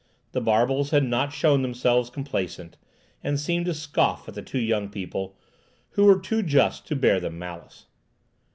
The barbels had not shown themselves complacent, and seemed to scoff at the two young people, who were too just to bear them malice.